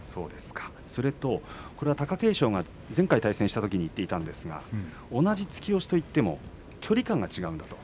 これは貴景勝が前回対戦したときに言っていたんですが同じ突き押しといっても距離感が違うんだと。